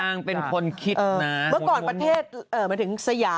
ตามเป็นคนคิดน่ะ